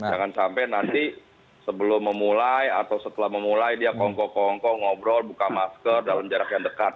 jangan sampai nanti sebelum memulai atau setelah memulai dia kongko kongko ngobrol buka masker dalam jarak yang dekat